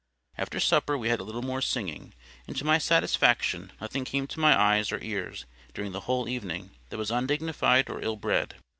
After supper we had a little more singing. And to my satisfaction nothing came to my eyes or ears, during the whole evening, that was undignified or ill bred.